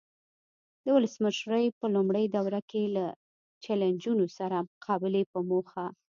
د ولسمشرۍ په لومړۍ دوره کې له چلنجونو سره مقابلې په موخه.